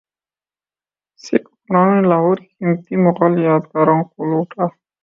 سکھ حکمرانوں نے لاہور کی قیمتی مغل یادگاروں کو لوٹا